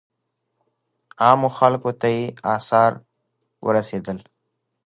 عامو خلکو ته یې آثار ورسېدل.